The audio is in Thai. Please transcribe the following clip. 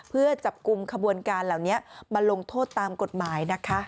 เพื่อจับกลุ่มขบวนการเหล่านี้มาลงโทษตามกฎหมายนะคะ